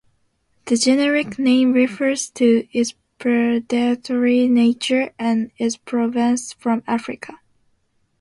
The generic name refers to its predatory nature, and its provenance from Africa.